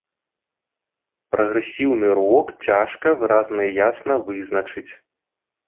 Прагрэсіўны рок цяжка выразна і ясна вызначыць.